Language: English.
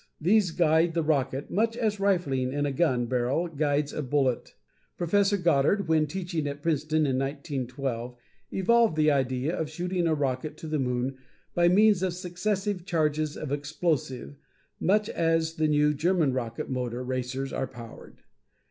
These guide the rocket much as rifling in a gun barrel guides a bullet. Prof. Goddard, when teaching at Princeton in 1912, evolved the idea of shooting a rocket to the moon by means of successive charges of explosive much as the new German rocket motor racers are powered.